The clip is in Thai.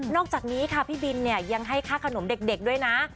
อกจากนี้ค่ะพี่บินเนี่ยยังให้ค่าขนมเด็กด้วยนะ